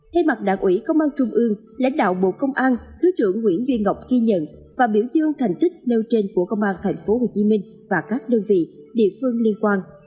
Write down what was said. thay mặt đảng ủy công an trung ương lãnh đạo bộ công an thứ trưởng nguyễn duy ngọc ghi nhận và biểu dương thành tích nêu trên của công an tp hcm và các đơn vị địa phương liên quan